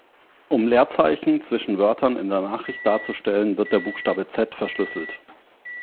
Um Leerzeichen zwischen Wörtern in der Nachricht darzustellen, wird der Buchstabe „Z“ verschlüsselt.